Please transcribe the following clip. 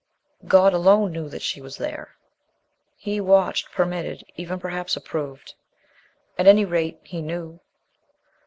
God alone knew that she was there. He watched, permitted, even perhaps approved. At any rate He knew.